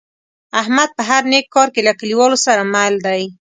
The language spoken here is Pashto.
احمد په هر نیک کار کې له کلیوالو سره مل دی.